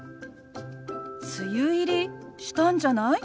「梅雨入りしたんじゃない？」。